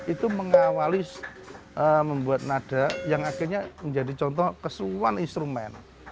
itu mengawali membuat nada yang akhirnya menjadi contoh kesuan instrumen